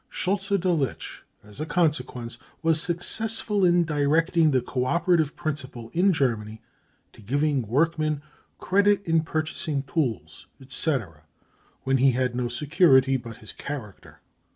Schultze Delitsch, as a consequence, was successful in directing the co operative principle in Germany to giving workmen credit in purchasing tools, etc., when he had no security but his character.